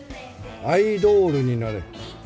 アイドールになれ。